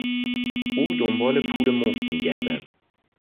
او دنبال پول مفت میگردد.